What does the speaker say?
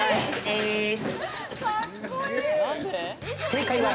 正解は。